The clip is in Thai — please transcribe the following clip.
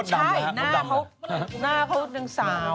ใช่หน้าเข้าหนึ่งสาว